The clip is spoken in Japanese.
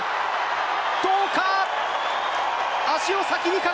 どうか。